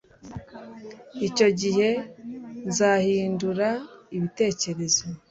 Icyo gihe nzahindura ibitekerezo